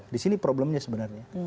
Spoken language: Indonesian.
di sini problemnya sebenarnya